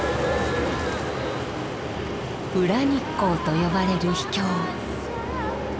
「裏日光」と呼ばれる秘境。